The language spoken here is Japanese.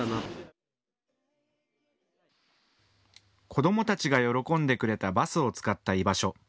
子どもたちが喜んでくれたバスを使った居場所。